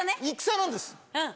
戦なんです。